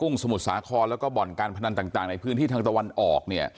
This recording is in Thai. สมุทรสาครแล้วก็บ่อนการพนันต่างในพื้นที่ทางตะวันออกเนี่ย